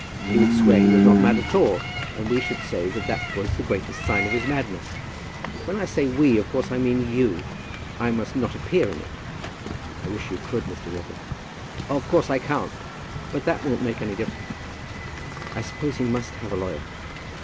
He would swear he was not mad at all, and we should say that that was the greatest sign of his madness. But when I say we, of course I mean you. I must not appear in it." "I wish you could, Mr. Walker." "Of course I can't; but that won't make any difference." "I suppose he must have a lawyer?"